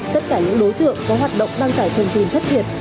tất cả những đối tượng có hoạt động đăng tải thông tin thất thiệt